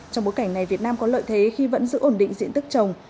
trong bối cảnh này việt nam có lợi thế khi vẫn giữ ổn định diện tức trồng